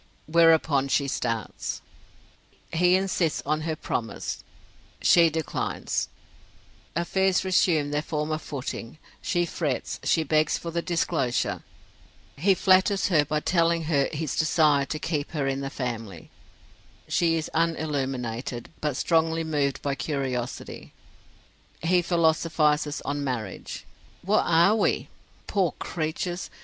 Whereupon she starts: he insists on her promise: she declines: affairs resume their former footing; she frets: she begs for the disclosure: he flatters her by telling her his desire to keep her in the family: she is unilluminated, but strongly moved by curiosity: he philosophizes on marriage "What are we? poor creatures!